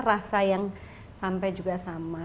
rasa yang sampai juga sama